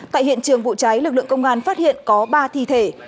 tại hiện trường vụ cháy lực lượng công an phát hiện có ba thi thể